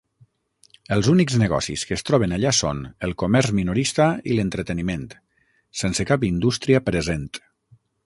Els únics negocis que es troben allà són el comerç minorista i l'entreteniment, sense cap indústria present.